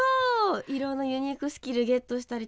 いろんなユニークスキルゲットしたりとか。